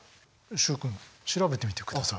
習君調べてみてください。